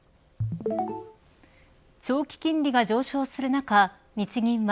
長期金利が上昇する中、日銀は